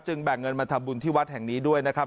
แบ่งเงินมาทำบุญที่วัดแห่งนี้ด้วยนะครับ